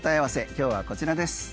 今日はこちらです。